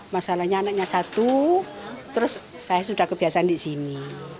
masalahnya anaknya satu terus saya sudah kebiasaan di sini